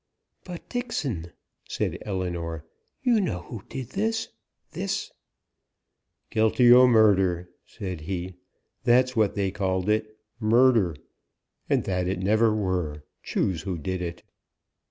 "But, Dixon," said Ellinor, "you know who did this this " "Guilty o' murder," said he. "That's what they called it. Murder! And that it never were, choose who did it."